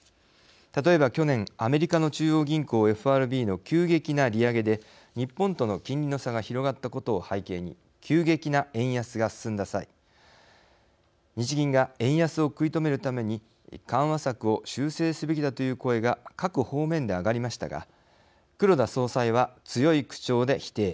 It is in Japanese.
例えば、去年アメリカの中央銀行＝ＦＲＢの急激な利上げで日本との金利の差が広がったことを背景に急激な円安が進んだ際日銀が円安を食い止めるために緩和策を修正すべきだという声が各方面で上がりましたが黒田総裁は強い口調で否定。